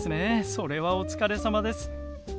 それはおつかれさまです。